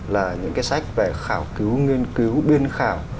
là những cái sách về khảo cứu nghiên cứu biên khảo